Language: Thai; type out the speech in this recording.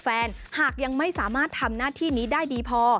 หากยังไม่สามารถทำหน้าที่นี้ได้ดีพอ